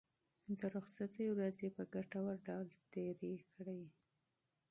د رخصتۍ ورځې په ګټور ډول تېرې کړئ.